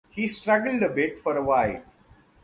He struggled a bit for awhile.